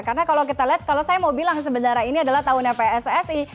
karena kalau kita lihat kalau saya mau bilang sebenarnya ini adalah tahunnya pssi